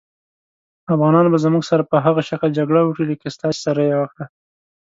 افغانان به زموږ سره په هغه شکل جګړه وکړي لکه ستاسې سره یې وکړه.